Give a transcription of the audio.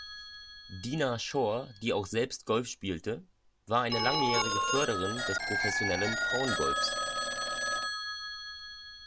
Dinah Shore, die auch selbst Golf spielte, war eine langjährige Förderin des professionellen Frauen-Golfs.